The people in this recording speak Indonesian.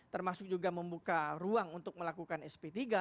termasuk juga membuka ruang untuk melakukan sp tiga